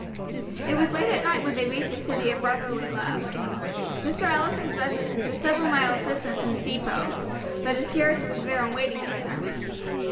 It was late at night when they reached the City of Brotherly Love. Mr. Allison's residence was several miles distant from the depot, but his carriage was there in waiting for them.